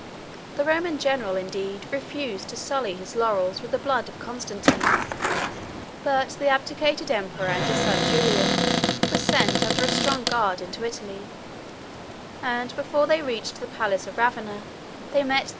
The Roman general, indeed, refused to sully his laurels with the blood of Constantine; but the abdicated emperor, and his son Julian, were sent under a strong guard into Italy; and before they reached the palace of Ravenna, they met the ministers of death.